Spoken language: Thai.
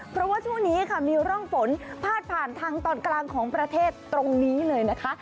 เพราะว่าช่วงนี้ค่ะมีร่องฝนพาดผ่านทางตอนกลางของประเทศตรงนี้เลยนะคะ